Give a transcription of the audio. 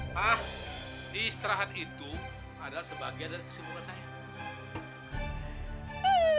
pak istirahat itu adalah sebagian dari kesibukan saya